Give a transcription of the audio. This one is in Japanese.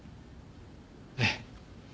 ええ。